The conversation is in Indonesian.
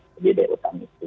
jadi diutang itu